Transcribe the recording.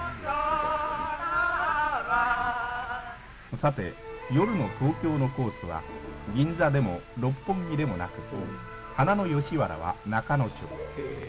さて、夜の東京のコースは、銀座でも六本木でもなく、花の吉原は仲之町。